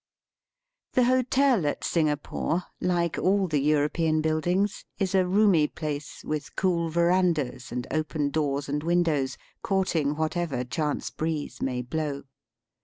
The hotel at Singapore, like all the Euro pean buildings, is a roomy place, with cool verandahs and open doors and windows, courting whatever chance breeze may blow.